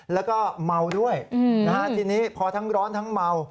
แล้วก็เมาด้วยนะฮะทีนี้พอทั้งร้อนทั้งเมา